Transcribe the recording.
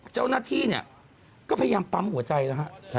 เจ้าหน้าที่ก็พยายามปั๊มหัวใจนะฮะ